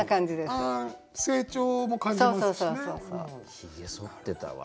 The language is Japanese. ひげそってたわ。